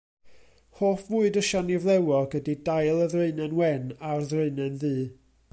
Hoff fwyd y siani flewog ydy dail y Ddraenen Wen a'r Ddraenen Ddu.